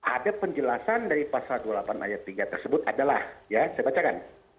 ada penjelasan dari pasal dua puluh delapan ayat tiga tersebut adalah ya saya bacakan